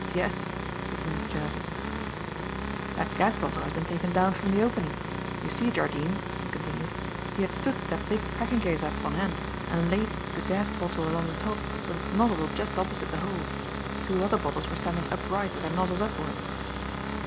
"Yes," agreed Jervis. "That gas bottle has been taken down from the opening. You see, Jardine," he continued, "he had stood that big packing case up on end and laid the gas bottle along the top, with its nozzle just opposite the hole. Two other bottles were standing upright with their nozzles upwards."